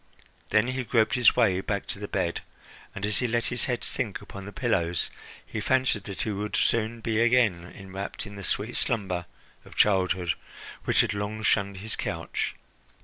Then he groped his way back to the bed, and, as he let his head sink upon the pillows, he fancied that he would soon be again enwrapped in the sweet slumber of childhood, which had long shunned his couch.